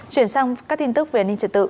chuyển sang các tin tức về an ninh trật tự